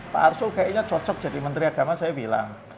pak arsul kayaknya cocok jadi menteri agama saya bilang